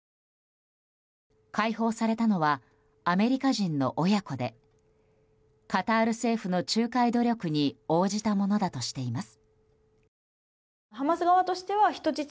解放されたのはアメリカ人の親子でカタール政府の仲介努力に応じたものだとしています。